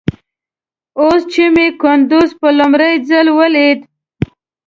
اوس چې مې کندوز په لومړي ځل وليد.